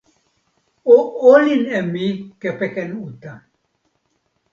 o olin e mi kepeken uta.